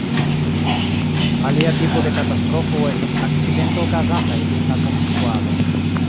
Alia tipo de katastrofo estas akcidentoj okazantaj dum la konstruado.